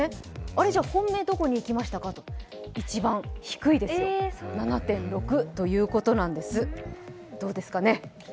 じゃ、本命どこにいきましたかと、一番低いですよ、７．６ということなんですどうですかね？